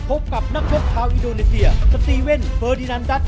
พบกับนักชกชาวอินโดนีเซียสตีเว่นเฟอร์ดินันดัส